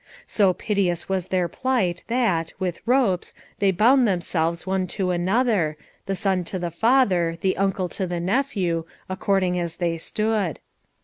So piteous was their plight that, with ropes, they bound themselves one to another, the son to the father, the uncle to the nephew, according as they stood.